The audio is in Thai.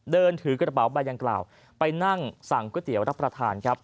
เดินถือกระเป๋าใบดังกล่าวไปนั่งสั่งก๋วยเตี๋ยวรับประทานครับ